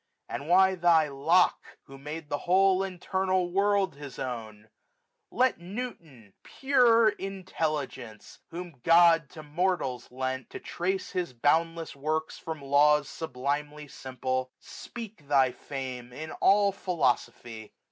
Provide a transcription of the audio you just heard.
And why thy Locke, Who made the whole internal world his own ? Let Newton, pure Intelligence ! whom God To mortals lent, to trace his boundless works 1560 From laws sublimely simple, speak thy fame In all philosophy.